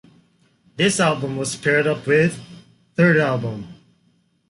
This album was paired up with "Third Album".